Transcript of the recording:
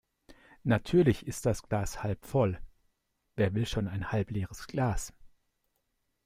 Natürlich ist das Glas halb voll. Wer will schon ein halb leeres Glas?